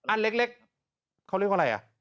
อันเล็กเขาเรียกว่าอะไรอ่ะ